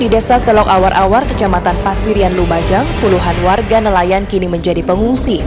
di desa selok awar awar kecamatan pasirian lumajang puluhan warga nelayan kini menjadi pengungsi